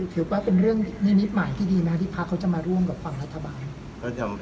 ถือว่าเป็นเรื่องนิมิตหมายที่ดีนะที่พักเขาจะมาร่วมกับฝั่งรัฐบาล